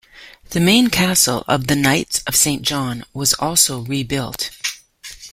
The main castle of the Knights of St. John was also rebuilt.